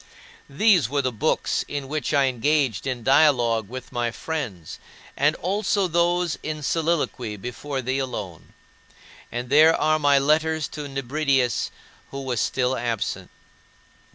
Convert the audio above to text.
These were the books in which I engaged in dialogue with my friends, and also those in soliloquy before thee alone. And there are my letters to Nebridius, who was still absent.